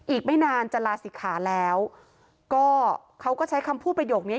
อีกไม่นานจะลาศิกขาแล้วก็เขาก็ใช้คำพูดประโยคนี้